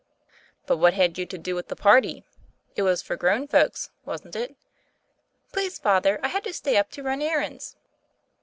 '^ "But what had you to do with the party? It was for grown folks, wasn't it?" "Please, Father, I had to stay up to run er rands."